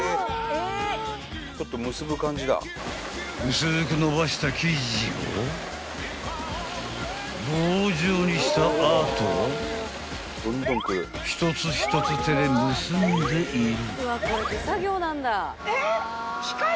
［薄く延ばした生地を棒状にした後一つ一つ手で結んでいる］